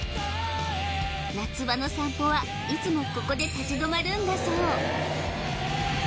夏場の散歩はいつもここで立ち止まるんだそう